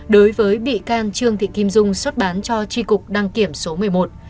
đối với bị can trương thị kim dung xuất bán cho tri cục đăng kiểm số một mươi một